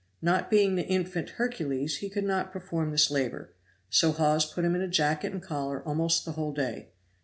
Not being the infant Hercules, he could not perform this labor; so Hawes put him in jacket and collar almost the whole day.